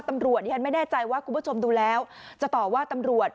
ตำรวจขั้นไม่แน่ใจว่าคุณผู้ชมดูแล้วจะตอบว่าตำรวจ